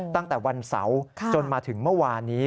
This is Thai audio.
ตั้งแต่วันเสาร์จนมาถึงเมื่อวานนี้